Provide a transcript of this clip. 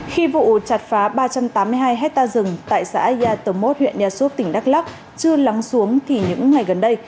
khi vụ chặt phá ba trăm tám mươi hai hectare rừng tại xã yatomot huyện nhà xúc tỉnh đắk lắc chưa lắng xuống thì những ngày gần đây